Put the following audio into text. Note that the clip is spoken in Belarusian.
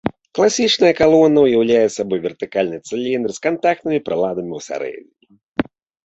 Класічная калона ўяўляе сабою вертыкальны цыліндр з кантактнымі прыладамі ўсярэдзіне.